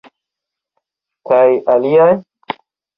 Kaj aliaj?